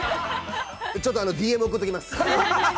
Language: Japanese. ◆ちょっとＤＭ送っときます。